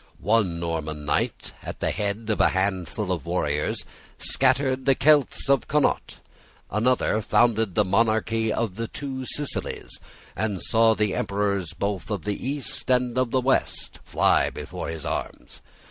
One Norman knight, at the head of a handful of warriors, scattered the Celts of Connaught. Another founded the monarchy of the Two Sicilies, and saw the emperors both of the East and of the West fly before his arms.